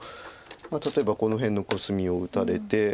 例えばこの辺のコスミを打たれて。